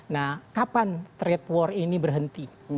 nah kapan trade war ini berhenti